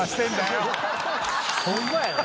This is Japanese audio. ホンマやね。